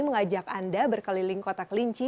mengajak anda berkeliling kota kelinci